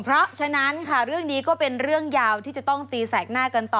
เพราะฉะนั้นค่ะเรื่องนี้ก็เป็นเรื่องยาวที่จะต้องตีแสกหน้ากันต่อ